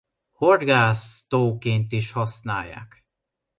Horgásztóként is használják.